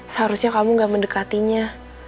seharusnya kamu gak mendekatinya